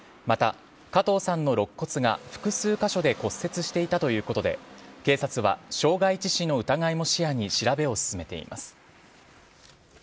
また、加藤さんの肋骨が複数箇所で骨折していたということで警察は傷害致死の疑いも視野に調べを進めています。